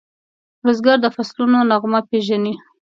بزګر د فصلونو نغمه پیژني